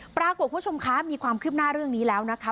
คุณผู้ชมคะมีความคืบหน้าเรื่องนี้แล้วนะคะ